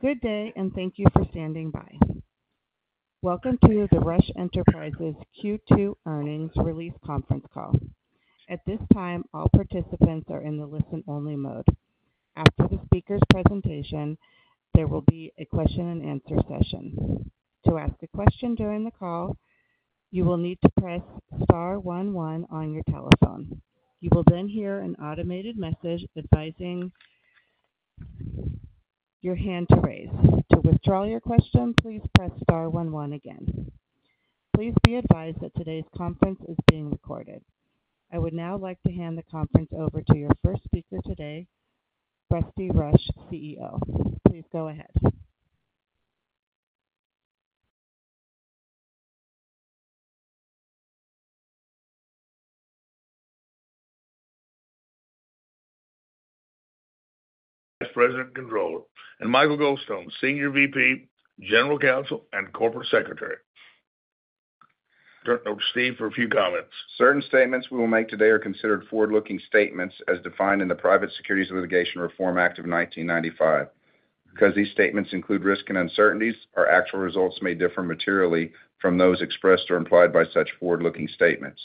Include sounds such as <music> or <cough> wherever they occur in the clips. Good day and thank you for standing by. Welcome to the Rush Enterprises Q2 Earnings Release Conference Call. At this time, all participants are in the listen-only mode. After the speaker's presentation, there will be a question and answer session. To ask a question during the call, you will need to press star one one on your telephone. You will then hear an automated message advising your hand to raise. To withdraw your question, please press star one one again. Please be advised that today's conference is being recorded. I would now like to hand the conference over to your first speaker today, Rusty Rush, CEO. Please go ahead. Vice President, Controller, and Michael Goldstone, Senior Vice President, General Counsel, and Corporate Secretary. Turn over to Steve for a few. Certain statements we will make today are considered forward-looking statements as defined in the Private Securities Litigation Reform Act of 1995. Because these statements include risks and uncertainties, our actual results may differ materially from those expressed or implied by such forward-looking statements.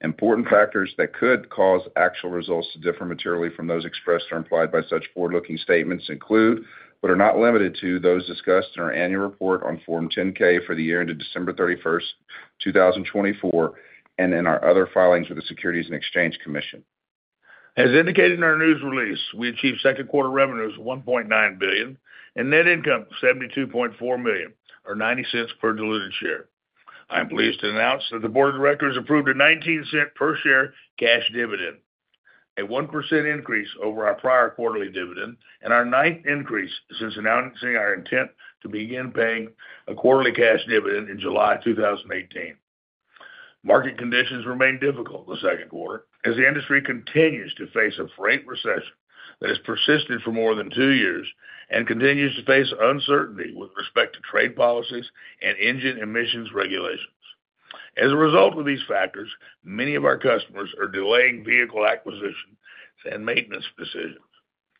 Important factors that could cause actual results to differ materially from those expressed or implied by such forward-looking statements include, but are not limited to, those discussed in our annual report on Form 10-K for the year ended December 31, 2024, and in our other filings with the Securities and Exchange Commission. As indicated in our news release, we achieved second quarter revenues of $1.9 billion and net income of $72.4 million or $0.90 per diluted share. I am pleased to announce that the Board of Directors approved a $0.19 per share cash dividend, a 1% increase over our prior quarterly dividend and our ninth increase since announcing our intent to begin paying a quarterly cash dividend in July 2018. Market conditions remain difficult in the second quarter as the industry continues to face a freight recession that has persisted for more than two years and continues to face uncertainty with respect to trade policies and engine emissions regulations. As a result of these factors, many of our customers are delaying vehicle acquisitions and maintenance decisions.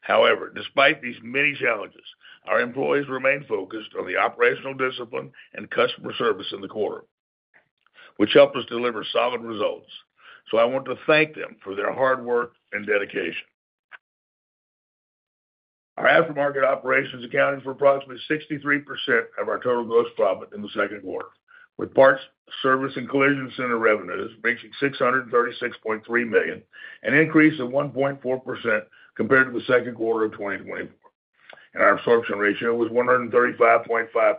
However, despite these many challenges, our employees remain focused on the operational discipline and customer service in the quarter, which helped us deliver solid results, so I want to thank them for their hard work and dedication. Our aftermarket operations accounted for approximately 63% of our total gross profit in the second quarter, with parts, service, and collision center revenues reaching $636.3 million, an increase of 1.4% compared to the second quarter of 2024, and our absorption ratio was 135.5%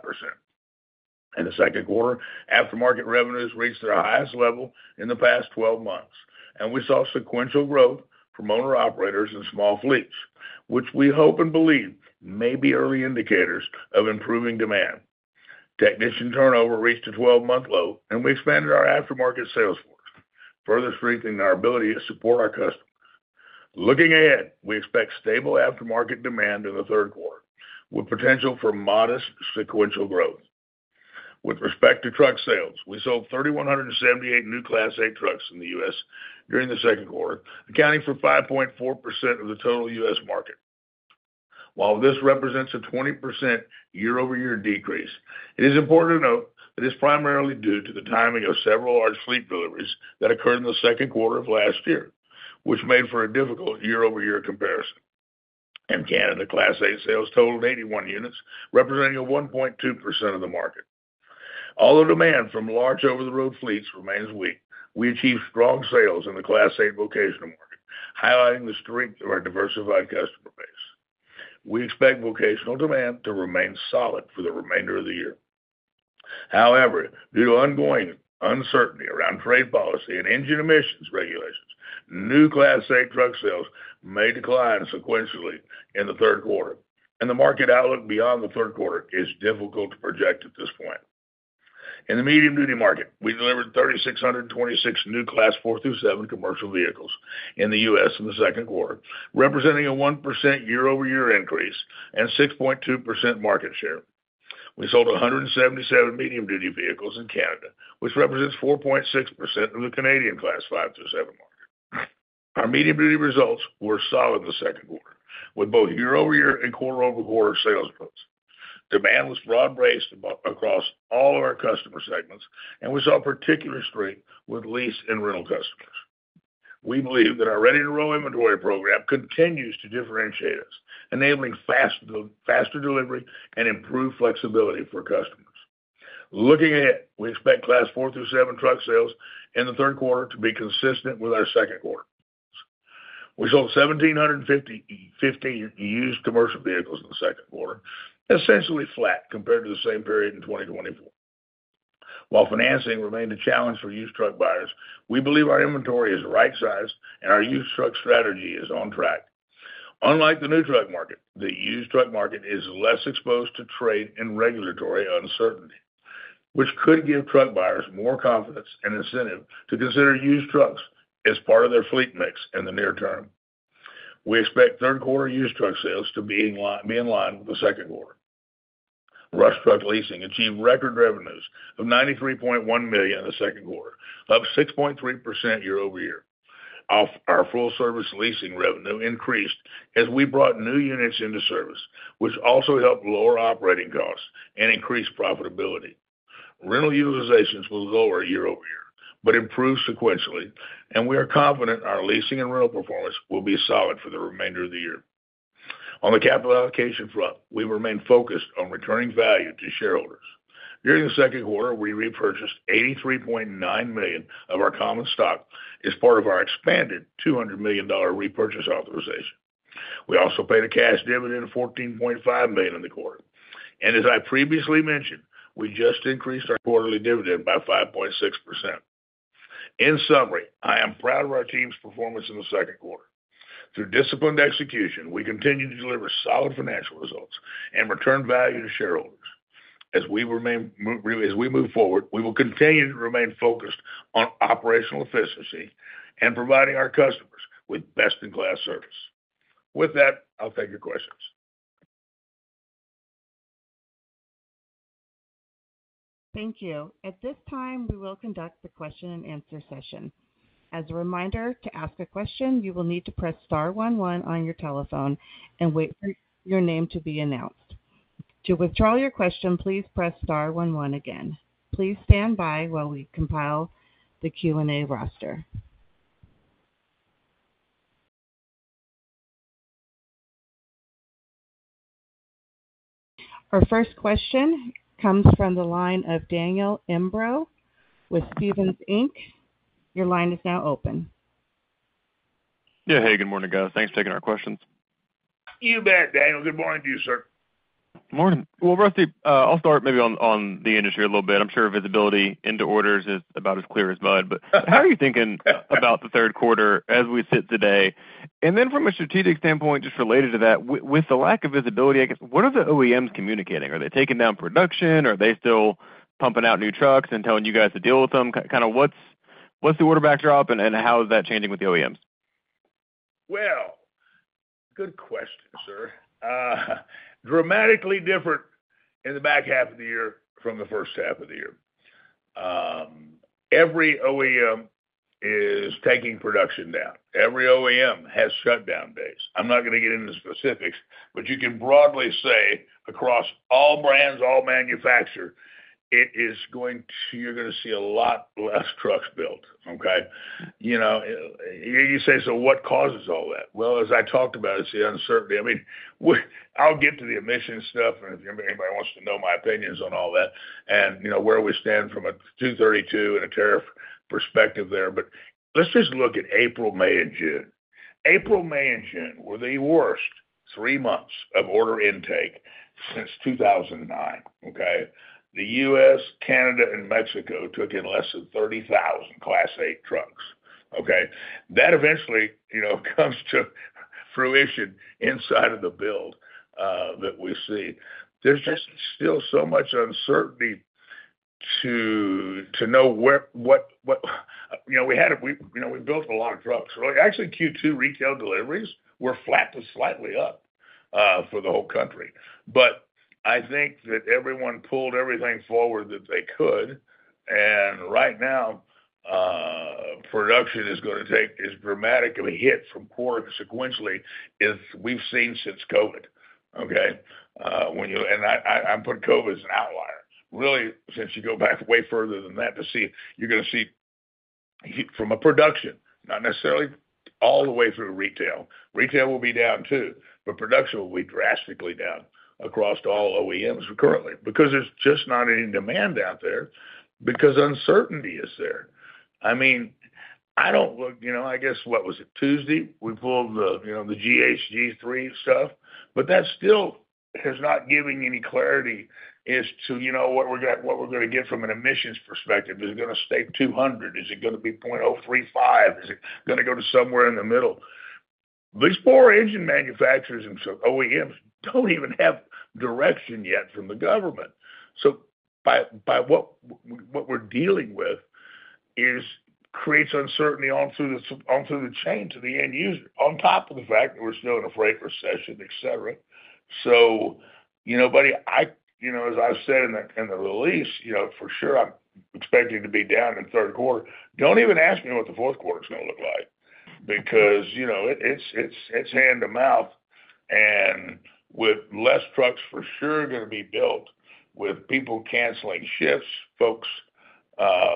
in the second quarter. Aftermarket revenues reached their highest level in the past 12 months, and we saw sequential growth from owner operators and small fleets, which we hope and believe may be early indicators of improving demand. Technician turnover reached a 12-month low and we expanded our aftermarket sales force, further strengthening our ability to support our customers. Looking ahead, we expect stable aftermarket demand in the third quarter with potential for modest sequential growth. With respect to truck sales, we sold 3,178 new Class 8 trucks in the U.S. during the second quarter, accounting for 5.4% of the total U.S. market. While this represents a 20% year-over-year decrease, it is important to note that it is primarily due to the timing of several large fleet deliveries that occurred in the second quarter of last year, which made for a difficult year-over-year comparison. In Canada, Class 8 sales totaled 81 units, representing 1.2% of the market. Although demand from large over-the-road fleets remains weak, we achieved strong sales in the Class 8 vocational market, highlighting the strength of our diversified customer base. We expect vocational demand to remain solid for the remainder of the year. However, due to ongoing uncertainty around trade policy and engine emissions regulations, new Class 8 truck sales may decline sequentially in the third quarter, and the market outlook beyond the third quarter is difficult to project at this point. In the medium duty market, we delivered 3,626 new Class 4 through 7 commercial vehicles in the U.S. in the second quarter, representing a 1% year over year increase and 6.2% market share. We sold 177 medium duty vehicles in Canada, which represents 4.6% of the Canadian Class 5 to 7 market. Our medium duty results were solid in the second quarter with both year over year and quarter over quarter sales growth. Demand was broad based across all of our customer segments, and we saw particular strength with lease and rental customers. We believe that our ready to roll inventory program continues to differentiate us, enabling faster delivery and improved flexibility for customers. Looking ahead, we expect Class 4 through 7 truck sales in the third quarter to be consistent with our second quarter. We sold 17 used commercial vehicles in the second quarter, essentially flat compared to the same period in 2023. While financing remained a challenge for used truck buyers, we believe our inventory is the right size and our used truck strategy is on track. Unlike the new truck market, the used truck market is less exposed to trade and regulatory uncertainty, which could give truck buyers more confidence and incentive to consider used trucks as part of their fleet mix. In the near term, we expect third quarter used truck sales to be in line with the second quarter. Rush Truck Leasing achieved record revenues of $93.1 million in the second quarter, up 6.3% year over year. Our full service leasing revenue increased as we brought new units into service, which also helped lower operating costs and increased profitability. Rental utilizations were lower year over year, but improved sequentially. We are confident our leasing and rental performance will be solid for the remainder of the year. On the capital allocation front, we remain focused on returning value to shareholders. During the second quarter, we repurchased $83.9 million of our common stock as part of our expanded $200 million repurchase authorization. We also paid a cash dividend of $14.5 million in the quarter. As I previously mentioned, we just increased our quarterly dividend by 5.6%. In summary, I am proud of our team's performance in the second quarter. Through disciplined execution, we continue to deliver solid financial results and return value to shareholders. As we move forward, we will continue to remain focused on operational efficiency and providing our customers with best-in-class service. With that, I'll take your questions. Thank you. At this time, we will conduct the question and answer session. As a reminder, to ask a question, you will need to press Star one one on your telephone and wait for your name to be announced. To withdraw your question, please press Star one one again. Please stand by while we compile the Q and A roster. Our first question comes from the line of Daniel Imbro with Stephens Inc. Your line is now open. Yeah. Hey, good morning, guys. Thanks for taking our questions. You bet, Daniel. Good morning to you, sir. Good morning. Rusty, I'll start maybe on the industry a little bit. I'm sure visibility into orders is about as clear as mud, but how are you thinking about the third quarter as we sit today? From a strategic standpoint, just. Related to that, with the lack of visibility, what are the OEMs communicating? Are they taking down production? Are they still pumping out new trucks and telling you guys to deal with them? What's the order backdrop and how is that changing with the OEMs? Good question, sir. Dramatically different in the back half of the year from the first half of the year. Every OEM is taking production down. Every OEM has shutdown days. I'm not going to get into specifics, but you can broadly say across all brands, all manufacturers, it is going to. You're going to see a lot less trucks built. You say, so what causes all that? As I talked about, it's the uncertainty. I'll get to the emissions stuff and if anybody wants to know my opinions on all that. You know where we stand from a 232 and a tariff perspective there. Let's just look at April, May, and June. April, May, and June were the worst three months of order intake since 2009. The U.S., Canada, and Mexico took in less than 30,000 Class 8 trucks. That eventually comes to fruition. Inside of the build that we see, there's just still so much uncertainty to know what you know, we had, we built a lot of trucks really. Actually, Q2 retail deliveries were flat to slightly up for the whole country. I think that everyone pulled everything forward that they could and right now production is going to take as dramatic of a hit from poor sequentially as we've seen since COVID. When you and I put COVID as an outlier, really since you go back way further than that to see you're going to see from a production, not necessarily all the way through retail. Retail will be down too, but production will be drastically down across all OEMs currently because there's just not any demand out there because uncertainty is there. I don't look, I guess what was it, Tuesday? We pulled the, you know, the GHG3 stuff. That still has not given any clarity as to what we're going to, what we're going to get from an emissions perspective. Is it going to stay 200, is it going to be 0.035, is it going to go to somewhere in the middle? These four engine manufacturers and OEMs don't even have direction yet from the government. By what we're dealing with creates uncertainty on through the chain to the end user on top of the fact that we're still in a freight recession, et cetera. As I've said in the release, for sure I'm expecting to be down in third quarter. Don't even ask me what the fourth quarter is going to look like because you know it's hand to mouth and with less trucks for sure going to be built with people canceling shifts, folks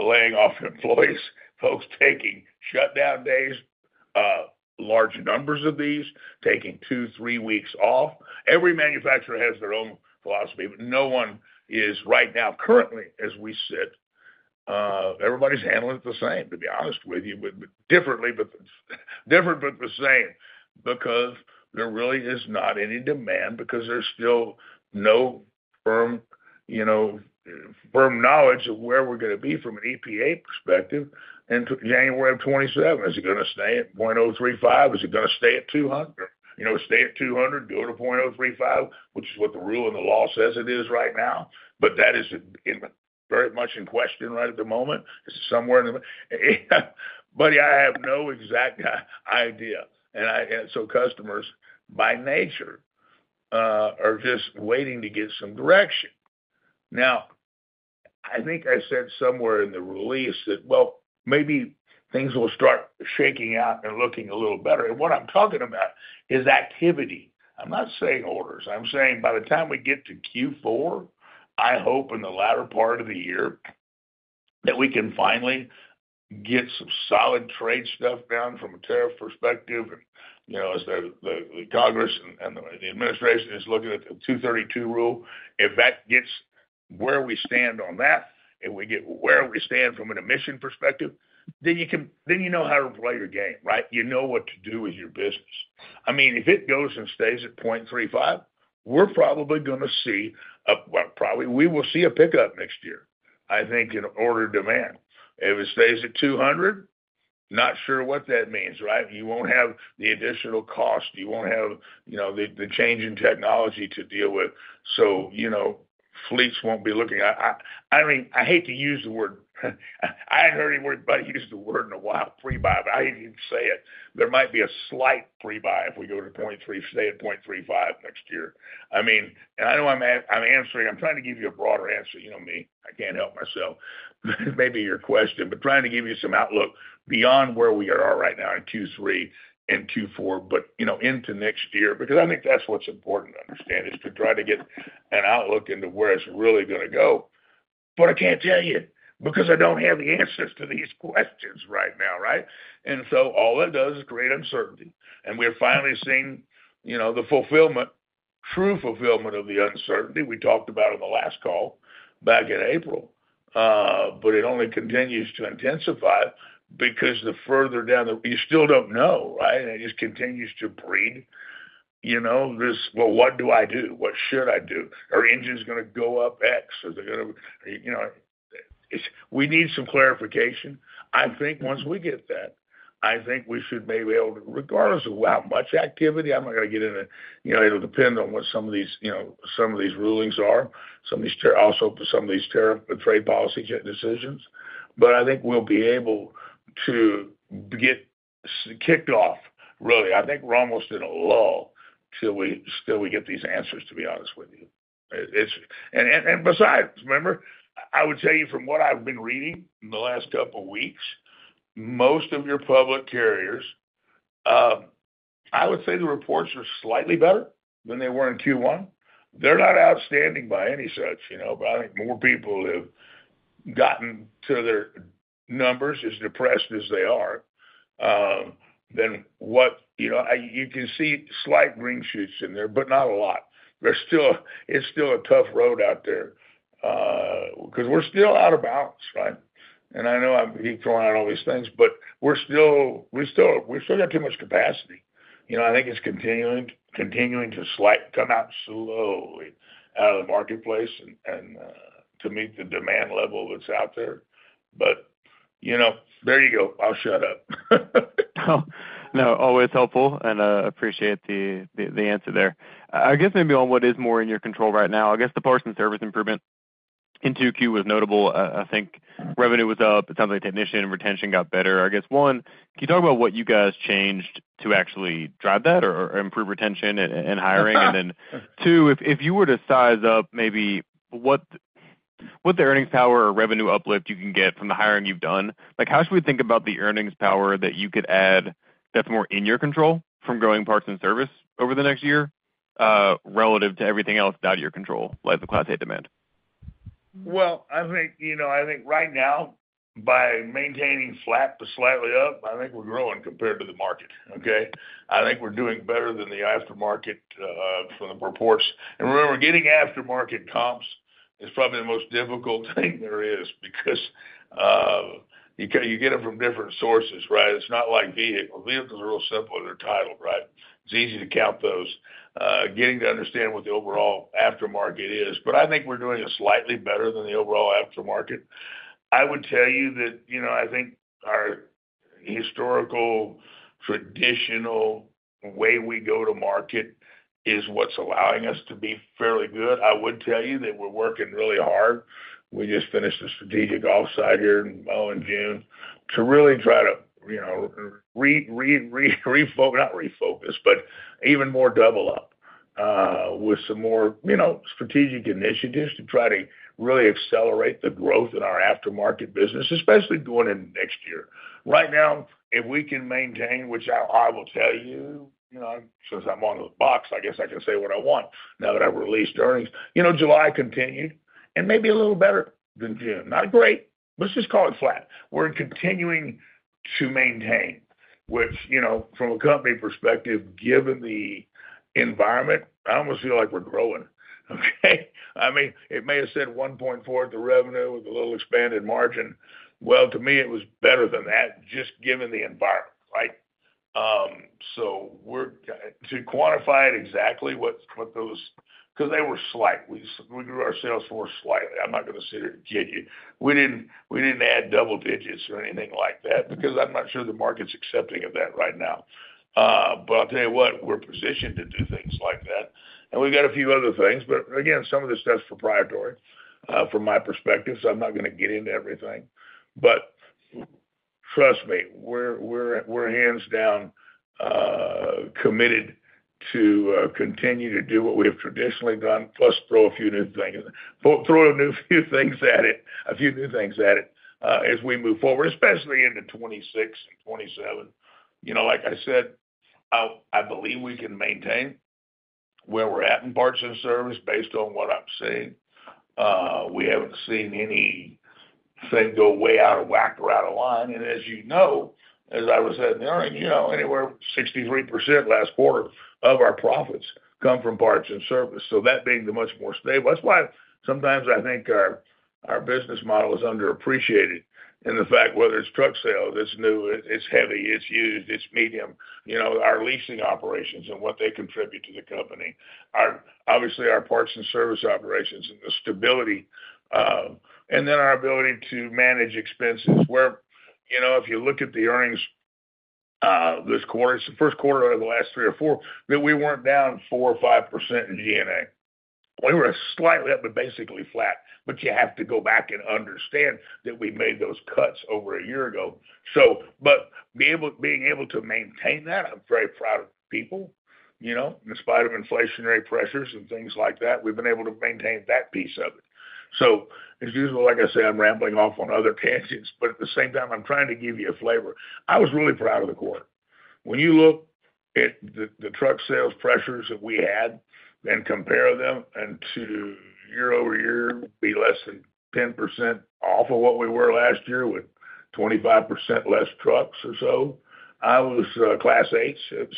laying off employees, folks taking shutdown days, large numbers of these taking two, three weeks off. Every manufacturer has their own philosophy. No one is right now currently as we sit, everybody's handling it the same, to be honest with you. Different, but the same. There really is not any demand because there's still no firm knowledge of where we're going to be. From an EPA perspective in January of 2027, is it going to stay at 0.035? Is it going to stay at 200, you know, stay at 200 go to 0.035, which is what the rule and the law says it is right now. That is very much in question right at the moment somewhere, buddy. I have no exact idea. And I customers by nature are just waiting to get some direction. I think I said somewhere in the release that maybe things will start shaking out and looking a little better. What I'm talking about is activity. I'm not saying orders. By the time we get to Q4, I hope in the latter part of the year that we can finally get some solid trade stuff down from a tariff perspective as the Congress and the Administration is looking at the 232 rule. If that gets where we stand on that and we get where we stand from an emission perspective, then you know how to play your game. You know what to do with your business. If it goes and stays at 0.35, we're probably going to see, probably we will see a pickup next year, I think in order demand. If it stays at 200, not sure what that means. You won't have the additional cost. You won't have the change in technology to deal with. Fleets won't be looking. I hate to use the word, I heard anybody use the word in a while pre buy, but I didn't say it. There might be a slight pre buy if we go to 0.3, stay at 0.35 next year. I know I'm answering, I'm trying to give you a broader answer. You know me, I can't help myself, maybe your question, but trying to give you some outlook beyond where we are right now in Q3 and Q4, but into next year. I think that's what's important to understand is to try to get an outlook into where it's really going to go. I can't tell you because I don't have the answers to these questions right now. All that does is create uncertainty and we're finally seeing the fulfillment, true fulfillment of the uncertainty we talked about in the last call back in April. It only continues to intensify because the further down you still don't know. It just continues to breed this. What do I do? What should I do? Are engines going to go up X? Are they going to, we need some clarification. I think once we get that, I think we should maybe regardless of how much activity I'm not going to get into. It'll depend on what some of these rulings are, also some of these tariff trade policy decisions. I think we'll be able to get kicked off really. I think we're almost in a lull till we still, we get these answers, to be honest with you. I would tell you from what I've been reading in the last couple weeks, most of your public carriers, I would say the reports are slightly better than they were in Q1. They're not outstanding by any such, you know, but I think more people have gotten to their numbers as depressed as they are than what, you know, you can see slight green shoots in there, but not a lot. It's still a tough road out there because we're still out of balance. Right. I know I keep throwing out all these things, but we still got too much capacity. I think it's continuing to come out slowly out of the marketplace and to meet the demand level that's out there. There you go. I'll shut up. No, always helpful and appreciate the answer there. I guess maybe on what is more in your control right now. I guess the parts and service improvement in 2Q was notable. I think revenue was up. It sounds like technician retention got better. I guess one, can you talk about what you guys changed to actually drive that or improve retention and hiring. Two, if you were to size up maybe what the earnings power or revenue uplift you can get from the hiring you've done. How should we think about the earnings power that you could add that's more in your control from growing parts, and service over the next year relative to everything else out of your control like the Class 8 demand? I think right now by maintaining flat to slightly up, I think we're growing compared to the market. I think we're doing better than the aftermarket from the reports. Remember, getting aftermarket comps is probably the most difficult thing there is because you get it from different sources. It's not like vehicles. Vehicles are real simple and they're titled. It's easy to count those, getting to understand what the overall aftermarket is, but I think we're doing slightly better than the overall aftermarket. I would tell you that I think our historical traditional way we go to market is what's allowing us to be fairly good. I would tell you that we're working really hard. We just finished a strategic offsite here in June to really try to, not refocus, but even more double up with some more strategic initiatives to try to really accelerate the growth in our aftermarket business, especially going into next year. Right now, if we can maintain, which I will tell you, since I'm on the box, I guess I can say what I want now that I've released earnings. July continued and maybe a little better than June. Not great. Let's just call it flat. We're continuing to maintain, which, from a company perspective, given the environment, I almost feel like we're growing. Okay. I mean, it may have said 1.4 to revenue with a little expanded margin. To me it was better than that, just given the environment. Right. To quantify it exactly, what those, because they were slightly, we grew our sales force slightly. I'm not going to sit here and get you. We didn't add double digits or anything like that because I'm not sure the market's accepting of that right now. I'll tell you what, we're positioned to do things like that. We've got a few other things. Some of this stuff's proprietary from my perspective, so I'm not going to get into everything, but trust me, we're hands down committed to continue to do what we have traditionally done, plus throw a few new things at it as we move forward, especially into 2026 and 2027. Like I said, I believe we can maintain where we're at in parts and service. Based on what I'm saying, we haven't seen anything go way out of whack or out of line. As you know, as I was at the earning, anywhere, 63% last quarter of our profits come from parts and service. That being the much more stable, that's why sometimes I think our business model is underappreciated in the fact whether it's truck sale, that's new, it's heavy, it's used, it's medium, our leasing operations and what they contribute to the company, obviously our parts and service operations and the stability, and then our ability to manage expenses where, if you look at the earnings this quarter, first quarter over the last three or four, that we weren't down 4% or 5% in GNA, we were slightly up, but basically flat. You have to go back and understand that we made those cuts over a year ago. Being able to maintain that, I'm very proud of people. In spite of inflationary pressures and things like that, we've been able to maintain that piece of it. Like I said, I'm rambling off on other tangents, but at the same time I'm trying to give you a flavor. I was really proud of the quarter. When you look at the truck sales pressures that we had and compare them to year over year, be less than 10% off of what we were last year with 25% less trucks or so, I was, like I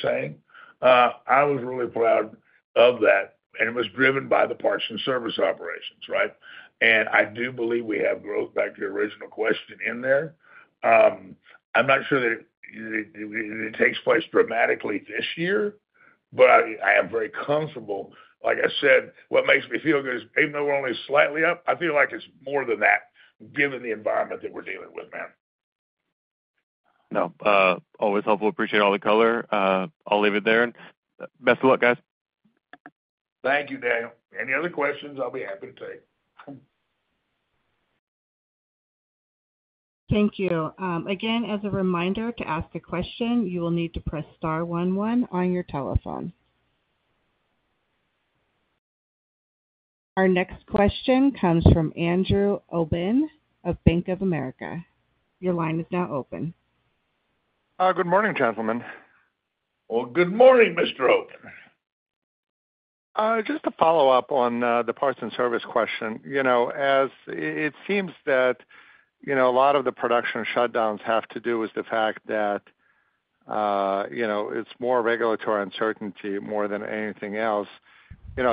said, I was really proud of that. It was driven by the parts and service operations. I do believe we have growth. Back to the original question in there. I'm not sure that it takes place dramatically this year, but I am very comfortable. Like I said, what makes me feel good is even though we're only slightly up, I feel like it's more than that given the environment that we're dealing with. No, always helpful. Appreciate all the color. I'll leave it there. Best of luck, guys. Thank you, Daniel. Any other questions, I'll be happy to take. Thank you again. As a reminder, to ask a question, you will need to press star one one on your telephone. Our next question comes from Andrew Obin of Bank of America. Your line is now open. Good morning, gentlemen. Good morning, Mr. Obin. Just a follow-up on the parts and service question. As it seems that a lot of the production shutdowns have to do with the fact that it's more regulatory uncertainty more than anything else,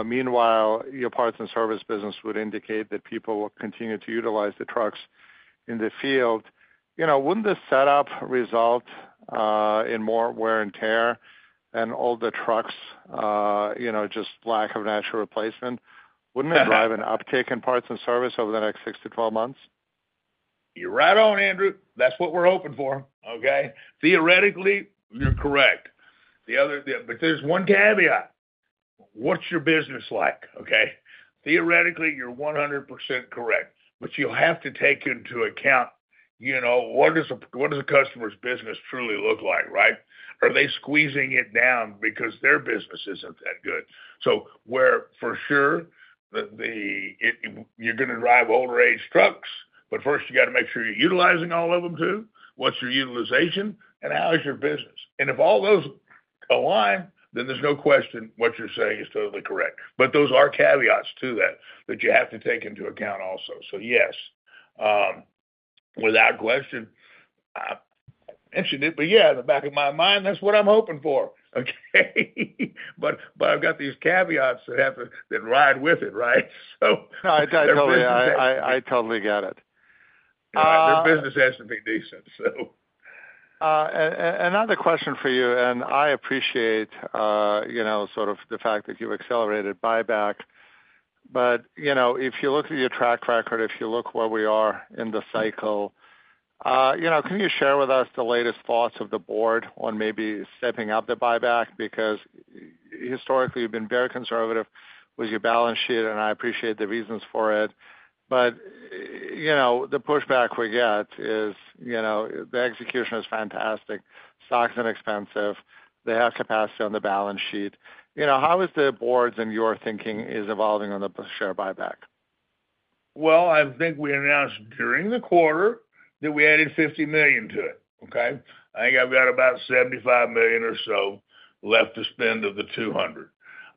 meanwhile, your parts and service business would indicate that people will continue to utilize the trucks in the field. Wouldn't the setup result in more wear and tear on all the trucks, just lack of natural replacement, wouldn't it drive an uptick in parts and service over the next 6 to 12 months? You're right on, Andrew. That's what we're hoping for. Okay, theoretically, you're correct. There's one caveat. What's your business like? Okay, theoretically, you're 100% correct, but you have to take into account, you know, what does a customer's business truly look like, right? Are they squeezing it down because their business isn't that good? For sure, you're going to drive older age trucks, but first you got to make sure you're utilizing all of them too. What's your utilization and how is your business? If all those align, then there's no question what you're saying is totally correct. Those are caveats to that that you have to take into account also. Yes, without question I mentioned it. In the back of my mind, that's what I'm hoping for. I've got these caveats that ride with it, right. I totally get it. Their business has to be decent. Another question for you, and I appreciate the fact that you accelerated buyback, but if you look at your track record, if you look where we are in the cycle, can you share with us the latest thoughts of the board on maybe stepping up the buyback. Because historically, you've been very conservative with your balance sheet, and I appreciate the reasons for it But, the pushback we get is the execution is fantastic. Stocks are inexpensive. They have capacity on the balance sheet. How is the board's and your thinking evolving on the share buyback? I think we announced during the quarter that we added $50 million to it. I think I've got about $75 million or so left to spend of the $200 million.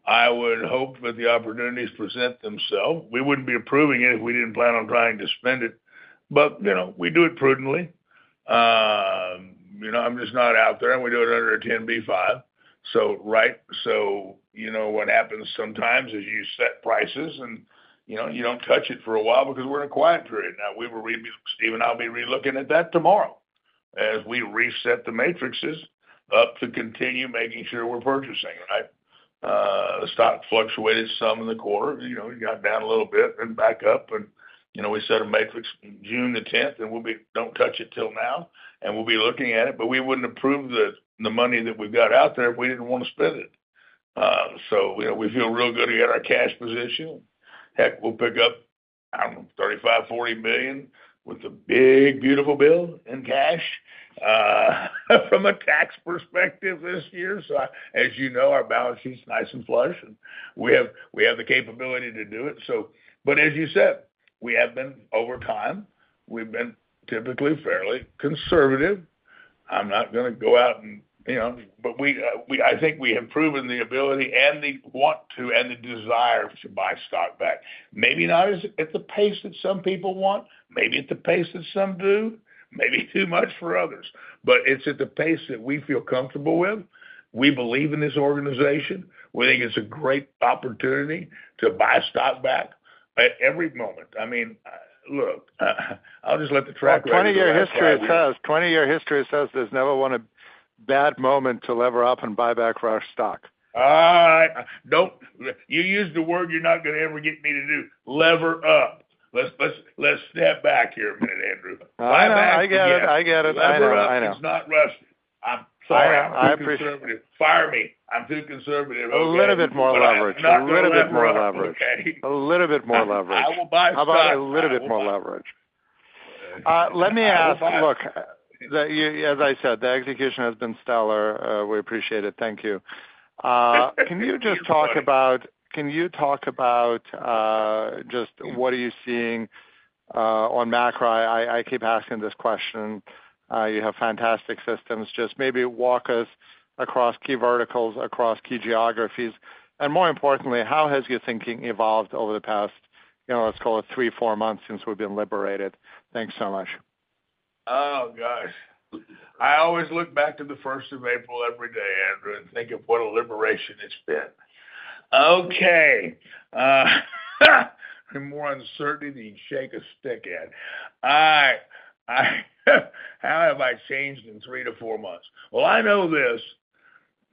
I would hope that the opportunities present themselves. We wouldn't be approving it if we didn't plan on trying to spend it. You know, we do it prudently. I'm just not out there. We do it under a 10B5. Right. What happens sometimes is you set prices and you don't touch it for a while because we're in a quiet period now. We were reading Steve, and I'll be relooking at that tomorrow as we reset the matrices up to continue making sure we're purchasing right. The stock fluctuated some in the quarter. We got down a little bit and back up, and we set a matrix June 10th, and we'll be don't touch it till now, and we'll be looking at it. We wouldn't approve the money that we've got out there if we didn't want to spend it. We feel real good. We had our cash position. Heck, we'll pick up, I don't know, $35 million, $40 million with a big beautiful bill in cash from a tax perspective this year. As you know, our balance sheet's nice and flush and we have the capability to do it. So. As you said, we have been, over time, typically fairly conservative. I'm not going to go out and, you know, but we, I think we have proven the ability and the want to and the desire to buy stock back. Maybe not at the pace that some people want, maybe at the pace that some do, maybe too much for others, but it's at the pace that we feel comfortable with. We believe in this organization. We think it's a great opportunity to buy stock back every moment. I mean, look, I'll just let the track. 20 year history, 20 year history says there's never one bad moment to lever. Up and buy back Rush stock. Don't you use the word. You're not going to ever get me to do lever up. Let's step back here a minute, Andrew. Buyback. <crosstalk> I get it, I get it. I know it's not Rush. I'm sorry. <crosstalk> I appreciate it. Fire me. I'm too conservative. <crosstalk> A little bit more leverage. A little bit more leverage. A little bit more leverage. How about a little bit more leverage? Let me ask. As I said, the execution has been stellar. We appreciate it. Thank you. Can you talk about just what are you seeing on Macri? I keep asking this question. You have fantastic systems. Maybe walk us across key verticals, across key geographies. More importantly, how has your thinking evolved over the past, you know, let's call it three, four months since we've been liberated. Thanks so much. Oh gosh. I always look back to the 1st April every day, Andrew, and think of what a liberation it's been. More uncertainty than you shake a stick at. How have I changed in three to four months? I know this.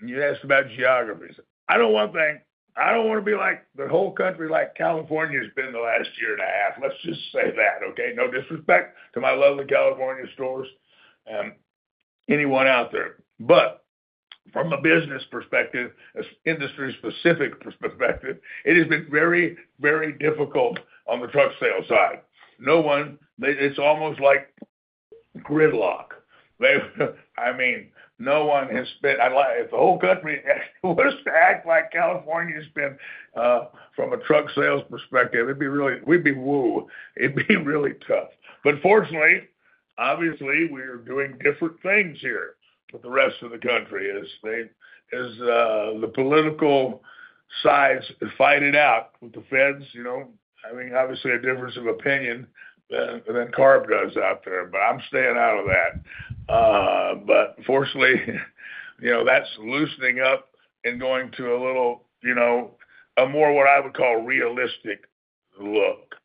You asked about geographies. I don't want to be like the whole country, like California has been the last year and a half. Let's just say that. No disrespect to my lovely California stores and anyone out there, but from a business perspective, industry specific perspective, it has been very, very difficult on the truck sales side. No one, it's almost like gridlock. No one has spent. If the whole country was to act like California spent from a truck sales perspective, it'd be really, we'd be woo. It'd be really tough. Fortunately, obviously we are doing different things here with the rest of the country as the political sides fight it out with the Feds, you know, having obviously a difference of opinion than CARB does out there. I'm staying out of that. Fortunately, you know, that's loosening up and going to a little, you know, a more what I would call realistic. Look,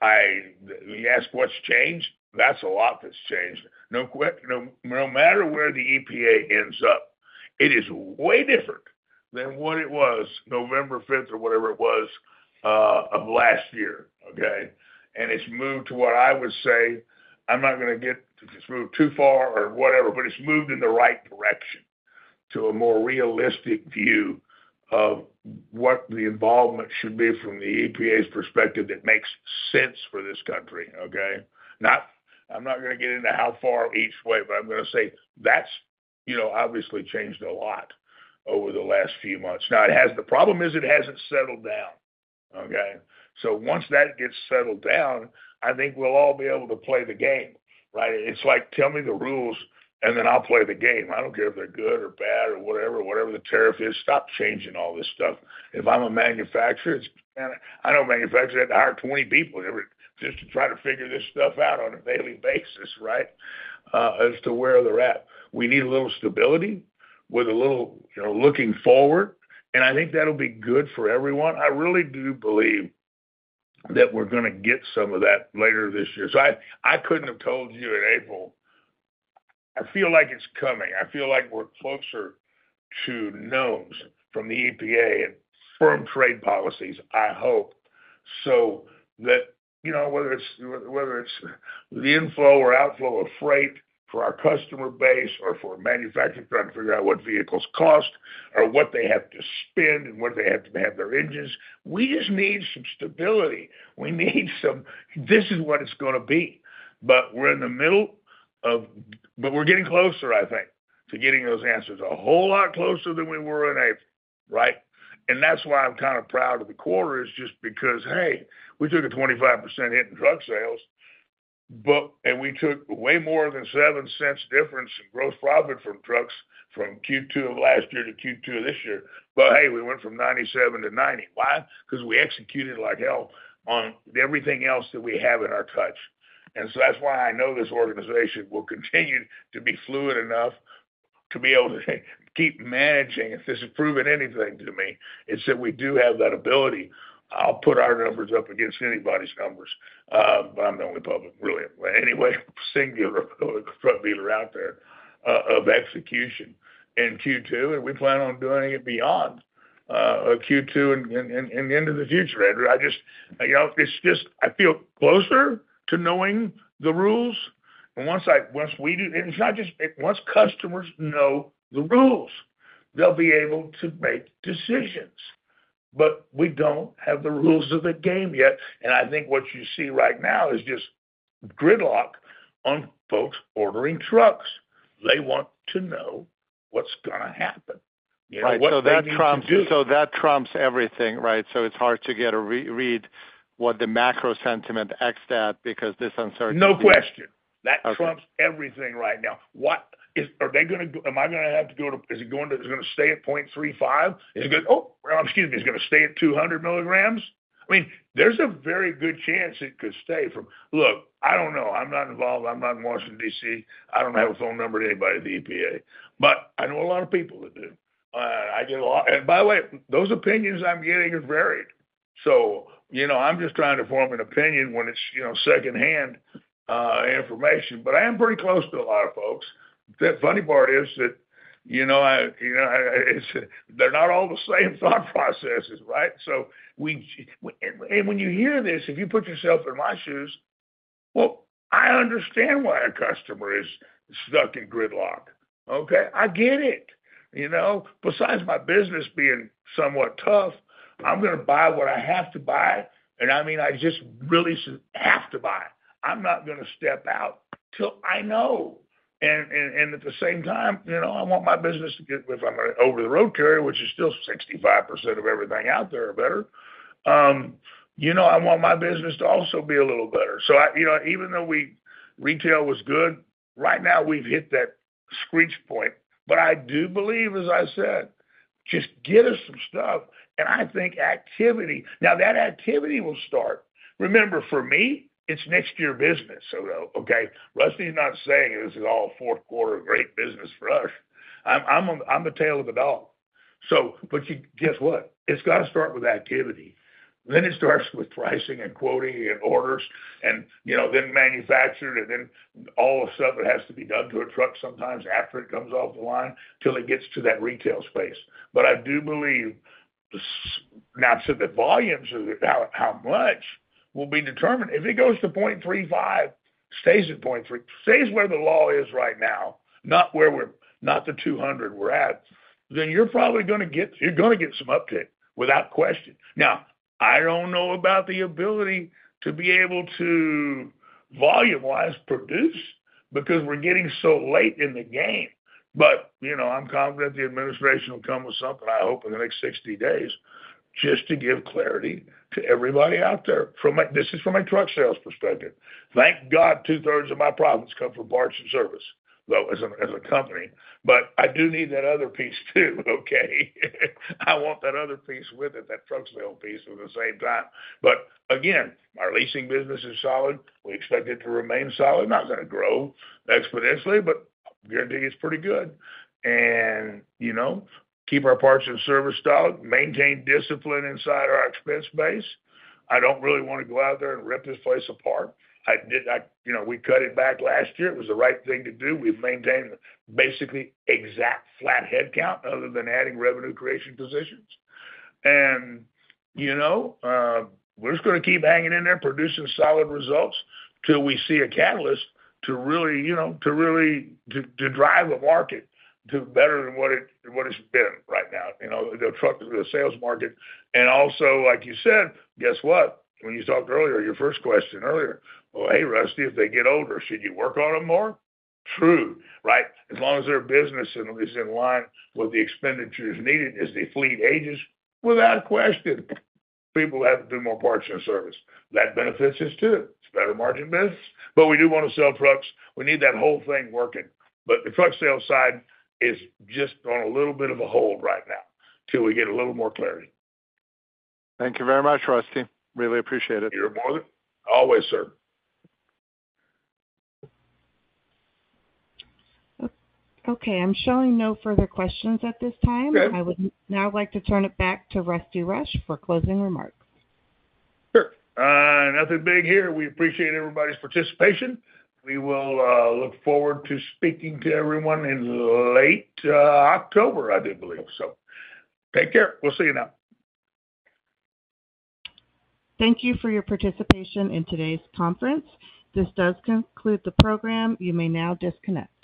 I asked what's changed? That's a lot that's changed. No, quick. No matter where the EPA ends up, it is way different than what it was November 5th or whatever it was of last year. It's moved to what I would say I'm not going to get moved too far or whatever, but it's moved in the right direction. Direction to a more realistic view of what the involvement should be from the EPA's perspective. That makes sense for this country. Not. I'm not going to get into how far each way, but I'm going to say that's, you know, obviously changed a lot over the last few months. Now it has. The problem is it hasn't settled down. Once that gets settled down, I think we'll all be able to play the game. Right? It's like, tell me the rules and then I'll play the game. I don't care if they're good or bad or whatever, whatever the tariff is. Stop changing all this stuff. If I'm a manufacturer, I know manufacturers had to hire 20 people just to try to figure this stuff out on a daily basis, right, as to where they're at. We need a little stability with a little looking forward. I think that'll be good for everyone. I really do believe that we're going to get some of that later this year. I couldn't have told you in April. I feel like it's coming. I feel like we're closer to norms from the EPA and firm trade policies. I hope so that, you know, whether it's the inflow or outflow of freight for our customer base or for manufacturing, trying to figure out what vehicles cost or what they have to spend and what do they have to have their engines or. We just need some stability. We need some. This is what it's going to be. We're in the middle of it. We're getting closer, I think, to getting those answers, a whole lot closer than we were in April. That's why I'm kind of proud of the quarter, just because, hey, we took a 25% hit in truck sales. We took way more than $0.07 difference in gross profit from trucks from Q2 of last year to Q2 of this year. We went from 97 to 90. Why? Because we executed like hell on everything else that we have in our touch. That's why I know this organization will continue to be fluid enough to be able to keep managing. If this has proven anything to me, it's that we do have that ability. I'll put our numbers up against anybody's numbers, but I'm the only public, really. Anyway, singular front dealer out there of execution in Q2. We plan on doing it beyond Q2 and into the future. Andrew, I just, you know, I feel closer to knowing the rules. Once I, once we do, it's not just once customers know the rules, they'll be able to make decisions, but we don't have the rules of the game yet. I think what you see right now is just gridlock on folks ordering trucks. They want to know what's going to happen, right? That trumps everything, right? It's hard to get a read what the macro sentiment axed at because this uncertainty. No question that trumps everything right now. What are they going to do? Am I going to have to go to, is it going to stay at 0.35? Excuse me, is it going to stay at 200 mg? I mean there's a very good chance it could stay. Look, I don't know. I'm not involved. I'm not in Washington, D.C. I don't have a phone number to anybody at the EPA, but I know a lot of people that do. I get a lot. By the way, those opinions I'm getting are varied. I'm just trying to form an opinion when it's secondhand information. I am pretty close to a lot of folks. The funny part is that they're not all the same thought processes. When you hear this, if you put yourself in my shoes, I understand why a customer is stuck in gridlock. I get it. Besides my business being somewhat tough, I'm going to buy what I have to buy and I mean, I just really should have to buy. I'm not going to step out until I know. At the same time, I want my business to get, if I'm an over the road carrier, which is still 65% of everything out there or better, I want my business to also be a little better. Even though retail was good right now, we've hit that screech point. I do believe, as I said, just get us some stuff. I think activity, now that activity will start. Remember, for me it's next year business. Rusty's not saying this is all fourth quarter great business for us. I'm the tail of the dog. It's got to start with activity. Then it starts with pricing and quoting and orders and then manufactured and then all the stuff that has to be done to a truck sometimes after it comes off the line till it gets to that retail space. I do believe now the volumes of how much will be determined. If it goes to 0.35, stays at 0.3, stays where the law is right now, not where we're not, the 200 we're at, then you're probably going to get, you're going to get some uptick without question. I don't know about the ability to be able to volume wise produce because we're getting so late in the game. I'm confident the Administration will come with something. I hope in the next 60 days, just to give clarity to everybody out there. This is from a truck sales perspective. Thank God, two thirds of my profits come from parts and service though as a company. I do need that other piece too. I want that other piece with it, that truck sale piece at the same time. Again, our leasing business is solid. We expect it to remain solid. Not going to grow exponentially, but guarantee it's pretty good and, you know, keep our parts and service stock, maintain discipline inside our expense base. I don't really want to go out there and rip this place apart. We cut it back last year. It was the right thing to do. We've maintained basically exact flat headcount other than adding revenue creation positions. We're just going to keep hanging in there, producing solid results till we see a catalyst to really drive the market to better than what it's been right now. The truck sales market and also, like you said, guess what? When you talked earlier, your first question earlier. Hey Rusty, if they get older, should you work on them more? True, right. As long as their business is in line with the expenditures needed as the fleet ages, without question people have to do more parts and service. That benefits us too. It's better margin business. We do want to sell trucks. We need that whole thing working. The truck sales side is just on a little bit of a hold right now until we get a little more clarity. Thank you very much, Rusty. Really appreciate it. You're more than welcome, sir. Okay, I'm showing no further questions at this time. I would now like to turn it back to Rusty Rush for closing remarks. Sure. Nothing big here. We appreciate everybody's participation. We will look forward to speaking to everyone in late October. I do believe so. Take care. We'll see you now. Thank you for your participation in today's conference. This does conclude the program. You may now disconnect.